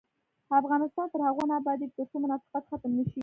افغانستان تر هغو نه ابادیږي، ترڅو منافقت ختم نشي.